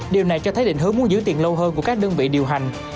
điều này cho thấy định hướng muốn giữ tiền lâu hơn của các đơn vị điều hành